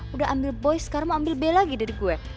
udah ambil boy sekarang mau ambil b lagi dari gue